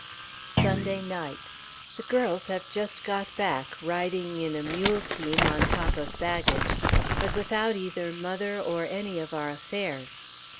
Sunday night. The girls have just got back, riding in a mule team, on top of baggage, but without either mother or any of our affairs.